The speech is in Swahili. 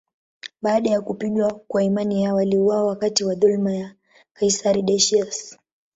Baada ya kupigwa kwa imani yao, waliuawa wakati wa dhuluma ya kaisari Decius.